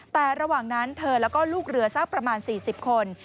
แต่ระหว่างนั้นเธอแล้วก็ลูกเรือสักประมาณ๔๐คน